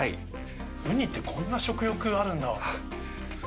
ウニってこんな食欲あるんだ。